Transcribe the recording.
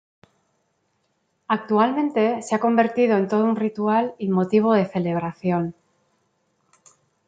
Actualmente se ha convertido en todo un ritual y motivo de celebración.